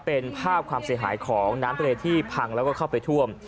เป็นภาพความเสียหายของน้ำทะเลที่พังแล้วก็เข้าไปท่วม